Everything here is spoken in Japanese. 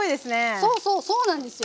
そうそうそうなんですよ。